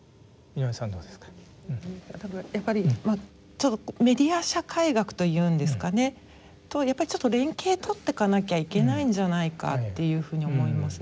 ちょっとメディア社会学というんですかねとやっぱりちょっと連携取ってかなきゃいけないんじゃないかというふうに思いますね。